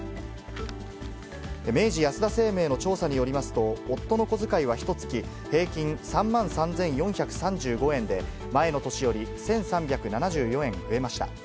明治安田生命の調査によりますと、夫の小遣いは、ひとつき平均３万３４３５円で、前の年より１３７４円増えました。